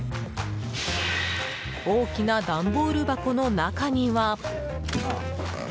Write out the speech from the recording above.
大きな段ボール箱の中には。